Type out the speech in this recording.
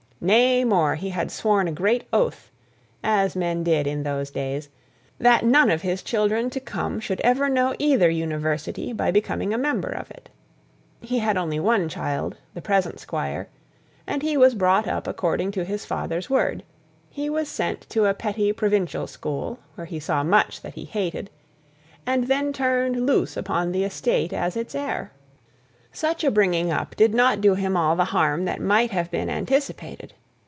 Nay, more! he had sworn a great oath, as men did in those days, that none of his children to come should ever know either university by becoming a member of it. He had only one child, the present Squire, and he was brought up according to his father's word; he was sent to a petty provincial school, where he saw much that he hated, and then turned loose upon the estate as its heir. Such a bringing up did not do him all the harm that might have been anticipated.